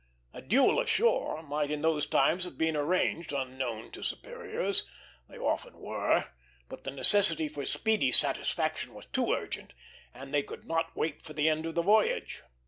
A duel ashore might in those times have been arranged, unknown to superiors they often were; but the necessity for speedy satisfaction was too urgent, and they could not wait for the end of the voyage.